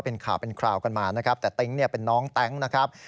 เป็นข่าวเป็นคราวกันมาแต่ติ๊งเป็นน้องแต๊งนะครับ